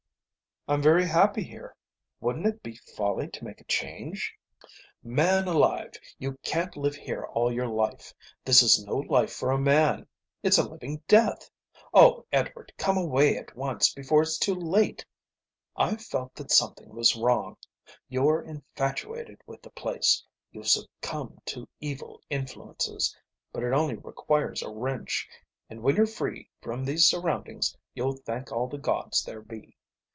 "I'm very happy here. Wouldn't it be folly to make a change?" "Man alive, you can't live here all your life. This is no life for a man. It's a living death. Oh, Edward, come away at once, before it's too late. I've felt that something was wrong. You're infatuated with the place, you've succumbed to evil influences, but it only requires a wrench, and when you're free from these surroundings you'll thank all the gods there be.